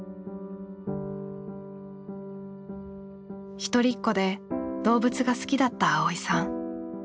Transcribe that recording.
一人っ子で動物が好きだった蒼依さん。